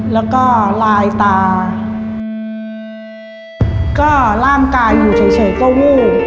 แล้วก็ลายตาก็ร่างกายอยู่เฉยก็วูบ